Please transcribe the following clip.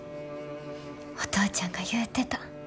お父ちゃんが言うてた。